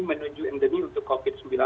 menuju endemi untuk covid sembilan belas